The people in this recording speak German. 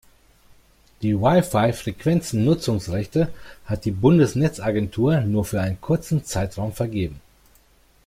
Die WiFi-Frequenzen-Nutzungsrechte hat die Bundesnetzagentur nur für einen kurzen Zeitraum vergeben.